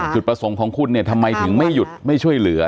จุดประสงค์ของคุณเนี่ยทำไมถึงไม่หยุดไม่ช่วยเหลือ